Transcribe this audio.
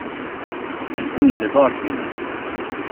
En underbar kvinna.